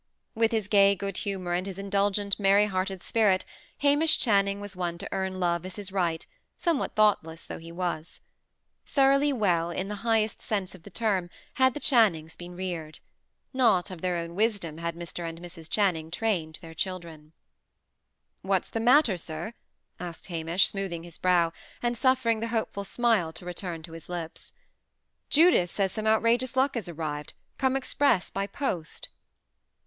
With his gay good humour, and his indulgent, merry hearted spirit, Hamish Channing was one to earn love as his right, somewhat thoughtless though he was. Thoroughly well, in the highest sense of the term, had the Channings been reared. Not of their own wisdom had Mr. and Mrs. Channing trained their children. "What's the matter, sir?" asked Hamish, smoothing his brow, and suffering the hopeful smile to return to his lips. "Judith says some outrageous luck has arrived; come express, by post."